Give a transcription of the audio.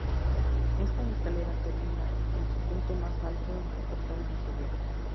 Esta escalera termina, en su punto más alto, en el Portal del Zodiaco.